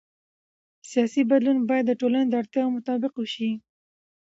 سیاسي بدلون باید د ټولنې د اړتیاوو مطابق وشي